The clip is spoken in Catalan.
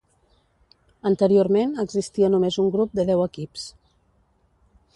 Anteriorment existia només un grup de deu equips.